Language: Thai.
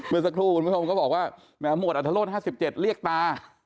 เมื่อสักทุกครุ่งก็บอกว่าแหมหมดอัตโธรน๕๗เรียกตา